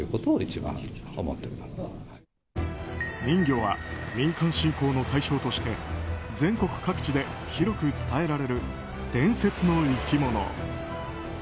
人魚は民間信仰の対象として全国各地で広く伝えられる伝説の生き物。